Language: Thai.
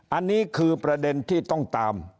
อันนี้คือประเด็นที่ต้องตาม